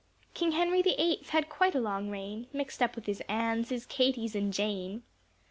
King Henry the eighth had quite a long reign Mixed up with his Anne's, his Katy's and Jane.